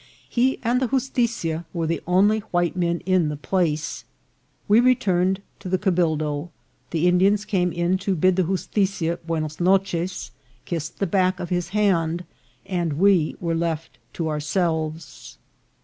He and the justitia were the only white men in the place. We returned to the cabildo ; the Indians came in to bid the justitia buenos noces, kissed the back of his hand, and we were left to ourselves.